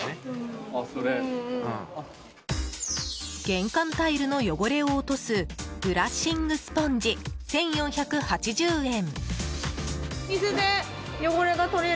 玄関タイルの汚れを落とすブラッシングスポンジ１４８０円。